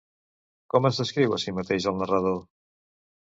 Com es descriu a si mateix el narrador?